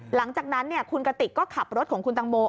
หลังจากนั้นคุณกติกก็ขับรถของคุณตังโม